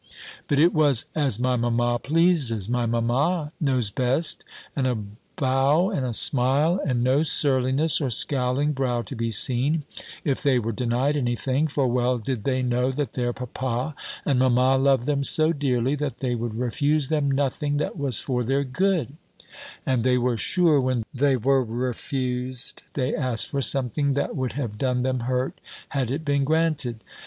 But it was, 'As my mamma pleases; my mamma knows best;' and a bow and a smile, and no surliness, or scowling brow to be seen, if they were denied any thing; for well did they know that their papa and mamma loved them so dearly, that they would refuse them nothing that was for their good; and they were sure when they were refused, they asked for something that would have done them hurt, had it been granted.